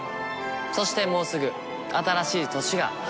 そしてもうすぐ新しい年が始まります。